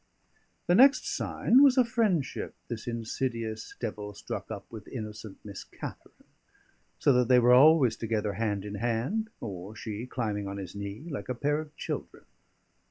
The next sign was a friendship this insidious devil struck up with innocent Miss Katharine; so that they were always together, hand in hand, or she climbing on his knee, like a pair of children.